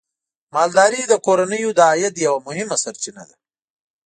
مالداري د کورنیو د عاید یوه مهمه سرچینه ده.